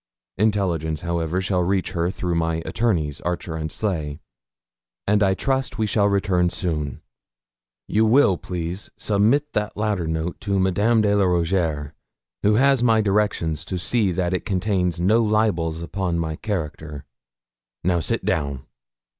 Intelligence, however, shall reach her through my attorneys, Archer and Sleigh, and I trust we shall soon return. You will, please, submit that latter note to Madame de la Rougierre, who has my directions to see that it contains no libels upon my character. Now, sit down.'